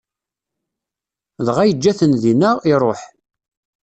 Dɣa yeǧǧa-ten dinna, iṛuḥ.